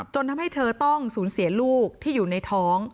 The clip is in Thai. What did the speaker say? ทำให้เธอต้องสูญเสียลูกที่อยู่ในท้อง